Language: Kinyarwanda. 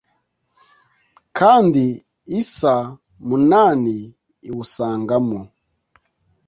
Kandi isaa munani iwusangamo